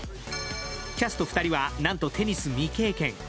キャスト２人はなんとテニス未経験